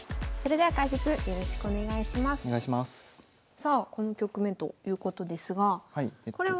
さあこの局面ということですがこれは？